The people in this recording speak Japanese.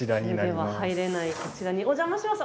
普通では入れないこちらにお邪魔します。